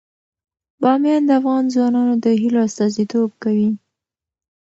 بامیان د افغان ځوانانو د هیلو استازیتوب کوي.